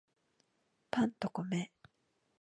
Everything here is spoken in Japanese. パンと米